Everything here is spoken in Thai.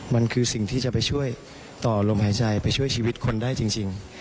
มันคือสิ่งที่จะไปช่วยต่อลมหายใจไปช่วยชีวิตคนได้จริง